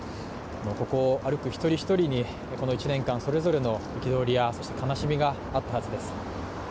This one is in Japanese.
ここを歩く１人１人にこの１年間のそれぞれの憤りや悲しみがあったはずです。